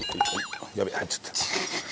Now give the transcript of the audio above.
やべっ入っちゃった。